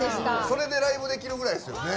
それでライブできるぐらいですよね。